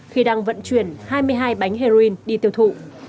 khi đang vận chuyển hai mươi hai bánh heroin đi tiêu thụ